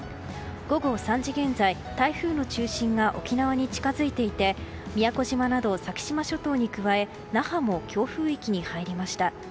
午後３時現在、台風の中心が沖縄に近づいていて宮古島など先島諸島に加え那覇も強風域に入りました。